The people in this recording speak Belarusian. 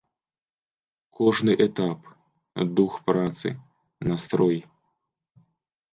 Кожны этап, дух працы, настрой.